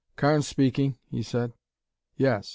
"Carnes speaking," he said. "Yes.